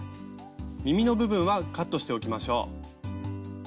みみの部分はカットしておきましょう。